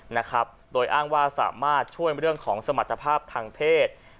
นะครับโดยอ้างว่าสามารถช่วยเรื่องของสมรรถภาพทางเพศ